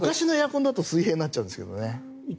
昔のエアコンだと水平になるんですけどね。